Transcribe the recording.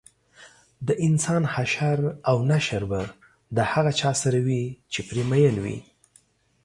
دانسان حشر او نشر به د هغه چا سره وي چې پرې مین وي